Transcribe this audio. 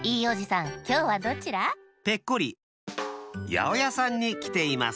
やおやさんにきています。